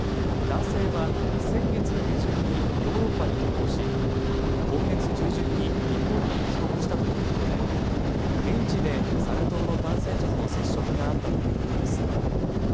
男性は先月下旬にヨーロッパに渡航し今月中旬に日本に帰国したということで現地でサル痘の感染者との接触があったということです。